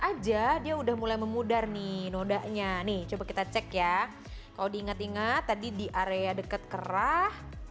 aja dia udah mulai memudar nih nodanya nih coba kita cek ya kalau diingat ingat tadi di area deket kerah